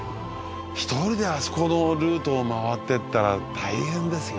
１人であそこのルートをまわっていったら大変ですよ